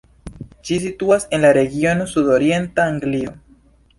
Ĝi situas en la regiono sudorienta Anglio.